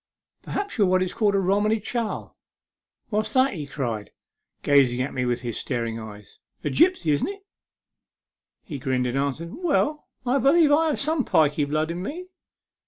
" Perhaps you are what is called a Romany Chal?" " What's that ?" he cried, gazing at me with his staring eyes. " A gipsy, isn't it ?" He grinned, and answered, " Well, I believe I has some pikey blood in me."